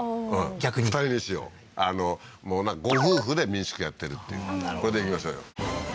逆に２人にしようご夫婦で民宿やってるっていうこれでいきましょうよ